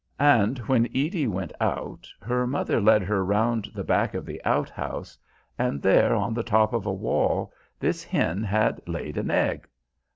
And when Edie went out her mother led her round the back of the outhouse, and there on the top of a wall this hen had laid an egg.